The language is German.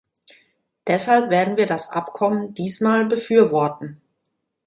Deshalb werden wir das Abkommen diesmal befürworten.